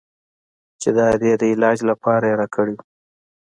چې د ادې د علاج لپاره يې راكړى و.